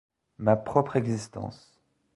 Ma propre existence.